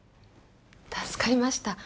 助かりました。